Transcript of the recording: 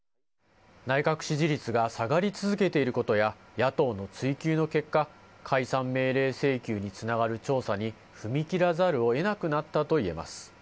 内閣支持率が下がり続けていることや、野党の追及の結果、解散命令請求につながる調査に踏み切らざるをえなくなったといえます。